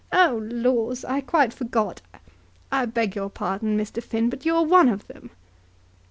"Oh, laws! I quite forgot. I beg your pardon, Mr. Finn; but you're one of them!"